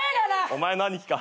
お前の兄貴か。